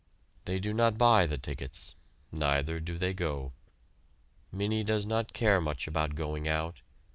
They do not buy the tickets neither do they go. Minnie does not care much about going out.